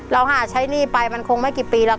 เราหาใช้หนี้ไปมันคงไม่กี่ปีแล้ว